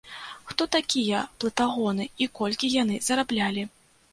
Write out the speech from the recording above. Хто такія плытагоны і колькі яны зараблялі?